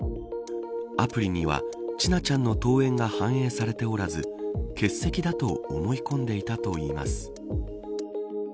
アプリには千奈ちゃんの登園が反映されておらず欠席だと思い込んでいたといいます。